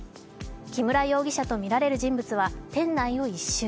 木村容疑者とみられる人物は店内を１周。